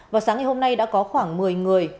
vào sáng ngày hôm nay đã có khoảng một mươi người